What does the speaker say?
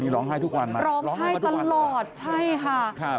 ร้องไห้ตลอดใช่ค่ะ